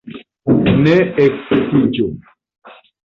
Ne ekcitiĝu!